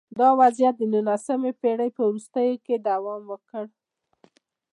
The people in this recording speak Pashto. دا وضعیت د نولسمې پېړۍ په وروستیو کې دوام وکړ